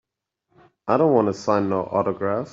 I don't wanta sign no autographs.